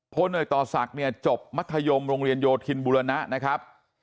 เนยต่อศักดิ์เนี่ยจบมัธยมโรงเรียนโยธินบุรณะนะครับ